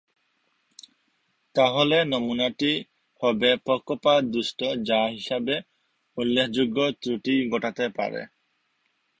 তাহলে নমুনাটি হবে পক্ষপাতদুষ্ট যা হিসাবে উল্লেখযোগ্য ত্রুটি ঘটাতে পারে।